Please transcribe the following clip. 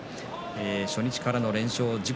初日からの連勝